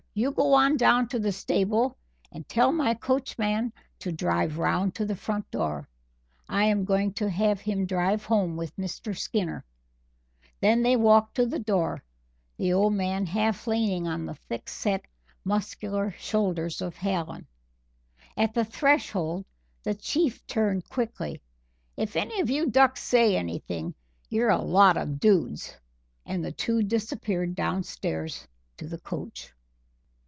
you go on down to the stable and tell my coachman to drive round to the front door I am going to have him drive home with Mr. Skinner." Then they walked to the door, the old man half leaning on the thick set, muscular shoulders of Hallen. At the threshold the Chief turned quickly: "If any of you ducks say anything, you're a lot of dudes," and the two disappeared downstairs to the coach.